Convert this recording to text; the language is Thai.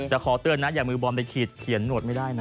แต่ขอเตือนนะอย่ามือบอลไปขีดเขียนหนวดไม่ได้นะ